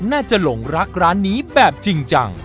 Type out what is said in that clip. หลงรักร้านนี้แบบจริงจัง